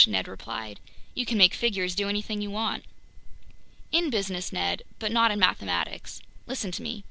Ned replied. "You can make figures do anything you want!" "In business, Ned, but not in mathematics. Listen to me.